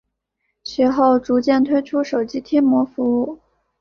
其后逐渐推出手机贴膜服务。